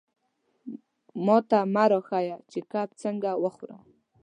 ماته مه را ښیه چې کب څنګه وخورم.